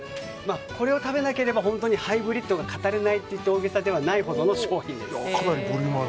これを食べなければ本当にハイブリッドを語れないというそれも大げさではないほどの商品です。